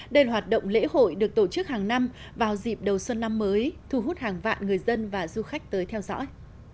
đây là hoạt động lễ hội được tổ chức hàng năm vào dịp đầu xuân năm mới thu hút hàng vạn người dân và du khách tới theo dõi